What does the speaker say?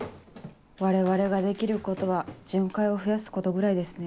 我々ができることは巡回を増やすことぐらいですね。